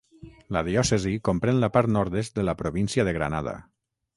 La diòcesi comprèn la part nord-est de la província de Granada.